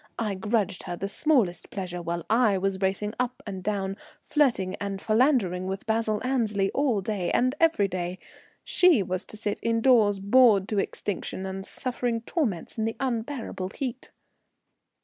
I grudged her the smallest pleasure, while I was racing up and down flirting and philandering with Basil Annesley all day and every day; she was to sit indoors, bored to extinction and suffering torments in the unbearable heat.